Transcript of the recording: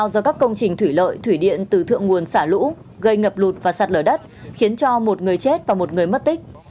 do các công trình thủy lợi thủy điện từ thượng nguồn xả lũ gây ngập lụt và sạt lở đất khiến cho một người chết và một người mất tích